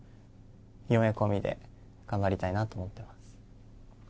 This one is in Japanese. ４Ａ込みで頑張りたいなと思っています。